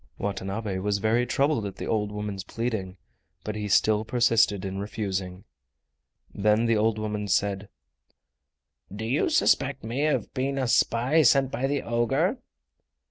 Watanabe was very troubled at the old woman's pleading, but he still persisted in refusing. Then the old woman said: "Do you suspect me of being a spy sent by the ogre?"